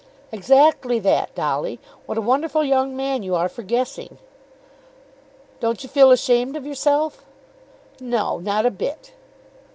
"Exactly that, Dolly. What a wonderful young man you are for guessing!" "Don't you feel ashamed of yourself?" "No; not a bit."